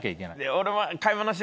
俺は。